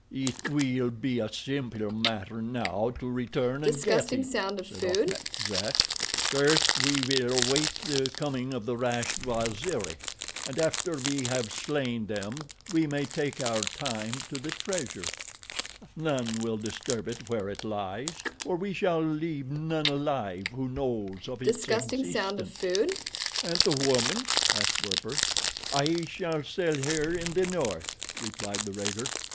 "It will be a simple matter now to return and get it," said Achmet Zek. "First we will await the coming of the rash Waziri, and after we have slain them we may take our time to the treasure—none will disturb it where it lies, for we shall leave none alive who knows of its existence. "And the woman?" asked Werper. "I shall sell her in the north," replied the raider.